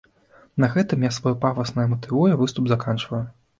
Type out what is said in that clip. На гэтым я сваё пафаснае матывуе выступ заканчваю.